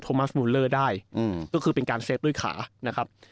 มาสบูลเลอร์ได้ก็คือเป็นการเซฟด้วยขานะครับ